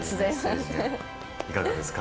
いかがですか。